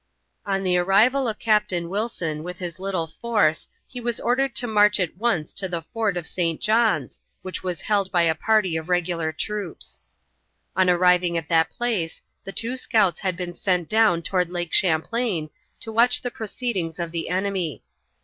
On the arrival of Captain Wilson with his little force he was ordered to march at once to the fort of St. John's, which was held by a party of regular troops. On arriving at that place the two scouts had been sent down toward Lake Champlain to watch the proceedings of the enemy.